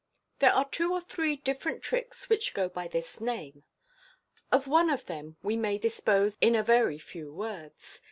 — There are two or three different tricks which go by this name. Of one of them we may dispose in a very few words.